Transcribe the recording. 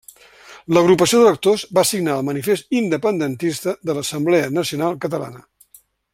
L'agrupació d'electors va signar el manifest independentista de l'Assemblea Nacional Catalana.